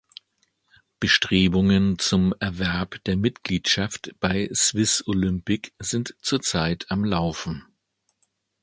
Bestrebungen zum Erwerb der Mitgliedschaft bei Swiss Olympic sind zurzeit am laufen.